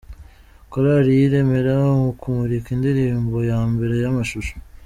Korari y’iremera mu kumurika indirimbo ya mbere y’amashusho